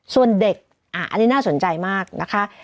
ส่วนเด็กอันนี้น่าสนใจมากนะคะ